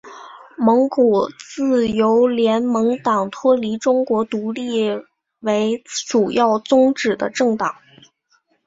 蒙古自由联盟党脱离中国独立为主要宗旨的政党。